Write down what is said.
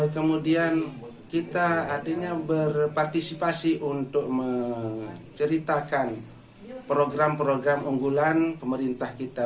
kemudian kita artinya berpartisipasi untuk menceritakan program program unggulan pemerintah kita